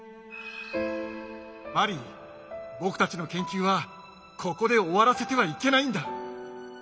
マリー僕たちの研究はここで終わらせてはいけないんだ。